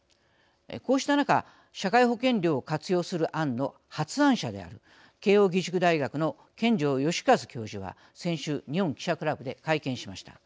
こうした中社会保険料を活用する案の発案者である慶應義塾大学の権丈善一教授は先週日本記者クラブで会見しました。